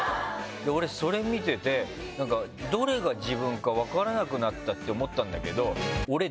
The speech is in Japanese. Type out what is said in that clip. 俺それ見ててどれが自分か分からなくなったって思ったんだけど。